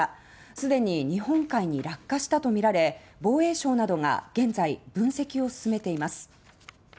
既に日本海に落下したとみられ防衛省などが現在分析を進めています。